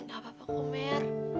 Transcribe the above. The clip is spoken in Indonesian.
gak papa ko mer